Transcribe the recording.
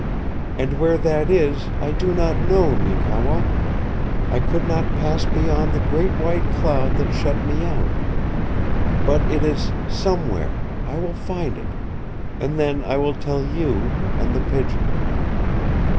"And where that is I do not know, Neekewa. I could not pass beyond the great white cloud that shut me out. But it is somewhere, I will find it. And then I will tell you and The Pigeon."